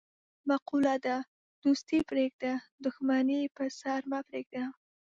مقوله ده: دوستي پرېږده، دښمني په سر مه پرېږده.